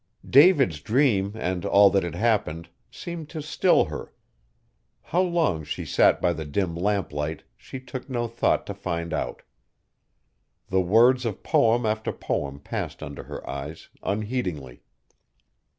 David's dream and all that had happened seemed to still her. How long she sat by the dim lamplight she took no thought to find out. The words of poem after poem passed under her eyes unheedingly.